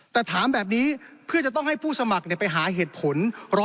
แต่ถามแบบนี้เพื่อจะต้องให้ผู้สมัครไปหาเหตุผล